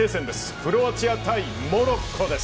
クロアチア対モロッコです。